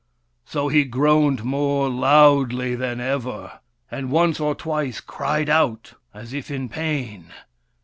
So he groaned more loudly than ever, and once or twice cried out as if in pain.